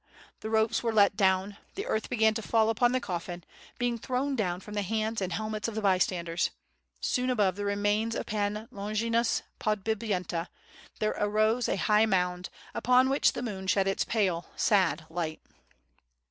the ropes were let down, the earth began to fall upon the coffin, beinp thrown down from the hands and helmets of the bystanders; soon above the remains of Pan Longinus Podbipyenta there arose a high mound, upon which the moon shed its pale, sad light.